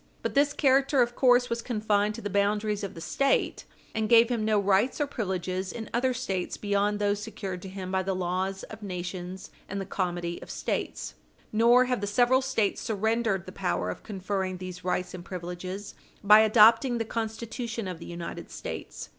But this character, of course, was confined to the boundaries of the State, and gave him no rights or privileges in other States beyond those secured to him by the laws of nations and the comity of States. Nor have the several States surrendered the power of conferring these rights and privileges by adopting the Constitution of the United States.